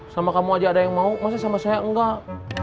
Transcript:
sama kamu aja ada yang mau masa sama saya enggak